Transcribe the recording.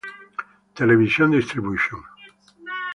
Television Distribution.